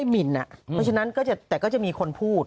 เพราะฉะนั้นแต่ก็จะมีคนพูด